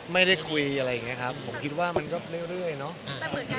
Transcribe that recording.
ได้เราพอจารุมเมื่อกระทิเมตรเยอะมากหรือไหม